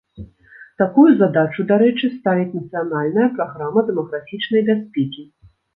Такую задачу, дарэчы, ставіць нацыянальная праграма дэмаграфічнай бяспекі.